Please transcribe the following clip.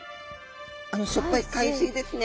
あのしょっぱい海水ですね。